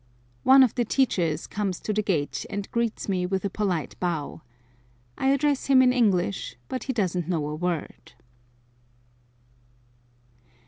One of the teachers comes to the gate and greets me with a polite bow. I address him in English, but he doesn't know a word.